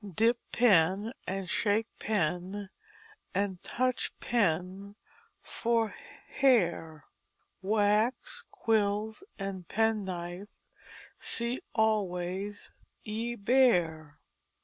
Dip pen and shake pen and touch pen for haire Wax, quills and penknife see alwais ye beare.